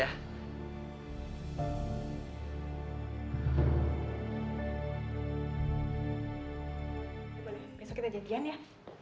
boleh besok kita jadian ya